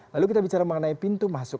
lalu kita bicara mengenai pintu masuk